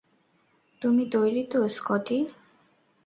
তুমি তৈরি তো, স্কটি?